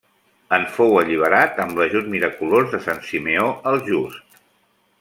En fou alliberat amb l'ajut miraculós de Sant Simeó el Just.